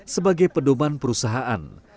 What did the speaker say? sebagai pedoman perusahaan